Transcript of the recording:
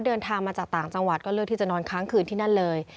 เดินทางมาจากต่างจังหวัดก็เลือกที่จะนอนค้างคืนที่นั่นเลย